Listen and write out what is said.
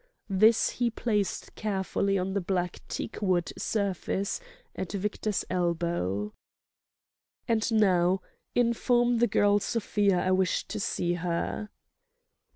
This he placed carefully on the black teakwood surface at Victor's elbow. "And now, inform the girl Sofia I wish to see her."